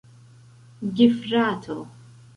gefrato